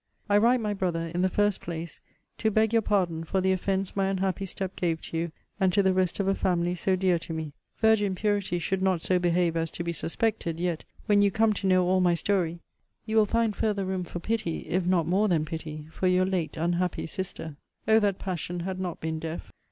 I write, my Brother, in the first place, to beg your pardon for the offence my unhappy step gave to you, and to the rest of a family so dear to me. Virgin purity should not so behave as to be suspected, yet, when you come to know all my story, you will find farther room for pity, if not more than pity, for your late unhappy sister! O that passion had not been deaf!